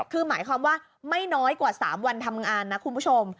คือหมายความว่าไม่น้อยกว่า๓วันทำงานนะคุณผู้ชม